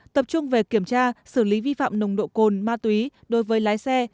tập trung về kiểm tra xử lý vi phạm nồng độ cồn ma túy đối với lái xe